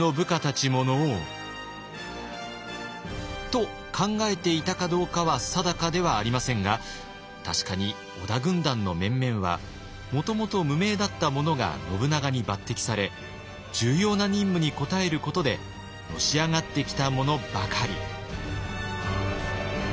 と考えていたかどうかは定かではありませんが確かに織田軍団の面々はもともと無名だった者が信長に抜擢され重要な任務に応えることでのし上がってきた者ばかり。